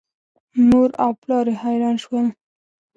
مور او پلار یې حیران شول.